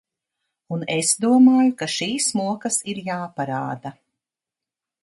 Un es domāju, ka šīs mokas ir jāparāda.